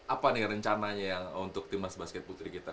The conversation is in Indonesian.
apa nih rencananya ya untuk tim naskah basket putri kita